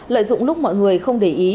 lợi dụng lúc mọi người không để ý